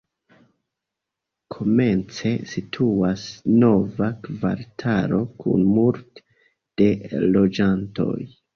Komence situas nova kvartalo kun multe da loĝantoj.